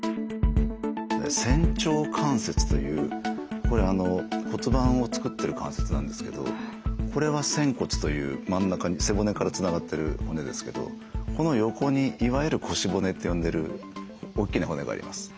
仙腸関節というこれ骨盤を作ってる関節なんですけどこれは仙骨という真ん中に背骨からつながってる骨ですけどこの横にいわゆる腰骨って呼んでる大きな骨があります。